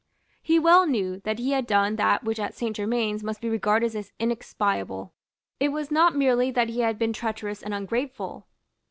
He well knew that he had done that which at Saint Germains must be regarded as inexpiable. It was not merely that he had been treacherous and ungrateful.